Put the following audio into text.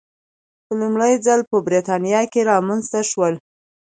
په لومړي ځل په برېټانیا کې رامنځته شول.